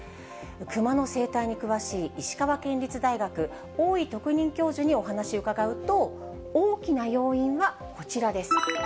クマの生態に詳しい石川県立大学、大井特任教授にお話を伺うと、大きな要因はこちらです。